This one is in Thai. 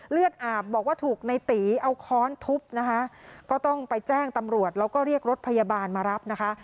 เลือดอาบบอกว่าถูกในตีเอาค้อนทุบนะคะก็ต้องไปแจ้งตำรวจแล้วก็เรียกรถพยาบาลมารับนะคะ